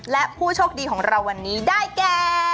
และผู้โชคดีของเราวันนี้ได้แก่